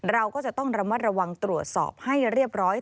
เราก็จะต้องระมัดระวังตรวจสอบให้เรียบร้อย